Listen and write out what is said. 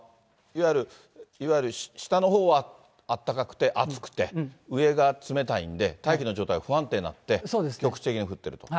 いわゆる下のほうはあったかくて熱くて、上が冷たいんで、大気の状態が不安定になって、局地的に降っていると。